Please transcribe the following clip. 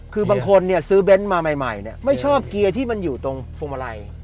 คือบางคนเนี่ยซื้อเบนท์มาใหม่เนี่ยไม่ชอบเกียร์ที่มันอยู่ตรงพวงมาลัย